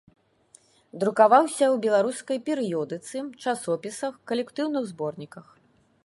Друкаваўся ў беларускай перыёдыцы, часопісах, калектыўных зборніках.